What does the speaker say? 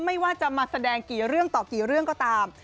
ไม่ว่าจะมาแสดงกี่เรื่องต่อกี่เรื่องก็ตาม